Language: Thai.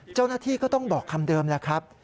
เจ้าหน้าที่ก็ต้องบอกคำเดิมแหละครับ